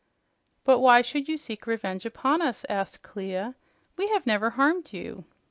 "But why should you seek revenge upon us?" asked Clia. "We have never harmed you."